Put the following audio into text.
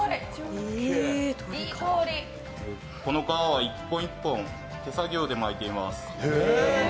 この皮は１本１本手作業で巻いています。